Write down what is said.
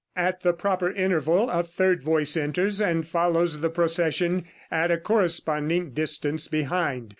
At the proper interval a third voice enters and follows the procession at a corresponding distance behind.